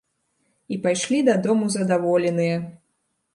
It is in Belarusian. І пайшлі дадому задаволеныя.